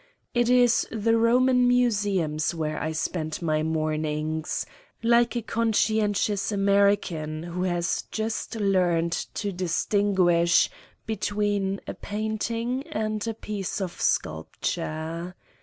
It is the Roman museums, where I spend my mornings, like a conscientious American who has just 192 Satan's Diary learned to distinguish between a painting and a piece of sculpture.